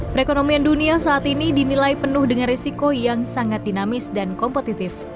perekonomian dunia saat ini dinilai penuh dengan resiko yang sangat dinamis dan kompetitif